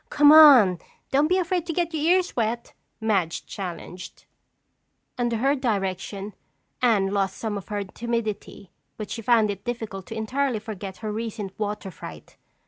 "Come on, don't be afraid to get your ears wet!" Madge challenged. Under her direction, Anne lost some of her timidity but she found it difficult to entirely forget her recent water fright.